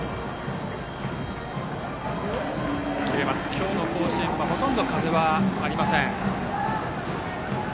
今日の甲子園はほとんど風はありません。